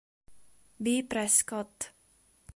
B. Prescott.